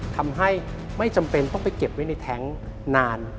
ทำให้ไม่จำเป็นต้องไปเก็บไว้ในแท้งนาน